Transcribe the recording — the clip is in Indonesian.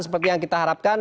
seperti yang kita harapkan